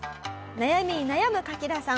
悩みに悩むカキダさん。